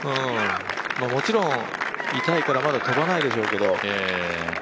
もちろん痛いからまだ飛ばないでしょうけど。